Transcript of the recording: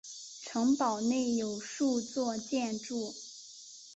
城堡内有数座建筑。